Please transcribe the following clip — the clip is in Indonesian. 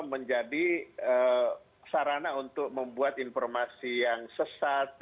menjadi sarana untuk membuat informasi yang sesat